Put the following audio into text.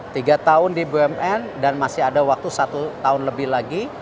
tiga tahun di bumn dan masih ada waktu satu tahun lebih lagi